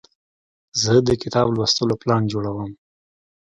زه د کتاب لوستلو پلان جوړوم.